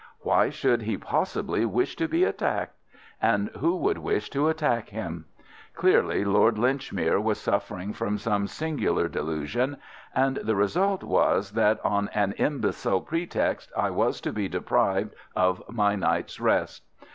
Why should he possibly wish to be attacked? And who would wish to attack him? Clearly, Lord Linchmere was suffering from some singular delusion, and the result was that on an imbecile pretext I was to be deprived of my night's rest.